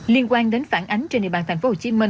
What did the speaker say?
liên quan đến phản ánh trên địa bàn tp hcm